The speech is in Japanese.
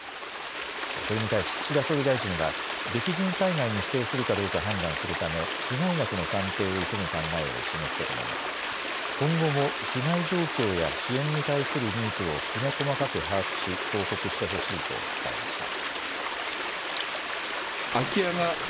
これに対し岸田総理大臣は激甚災害に指定するかどうか判断するため被害額の算定を急ぐ考えを示すとともに今後も被害状況や支援に対するニーズをきめ細かく把握し報告してほしいと伝えました。